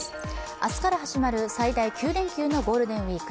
明日から始まる最大９連休のゴールデンウイーク。